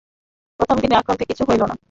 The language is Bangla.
প্রথম দিনের আক্রমণে কিছুই হইল না।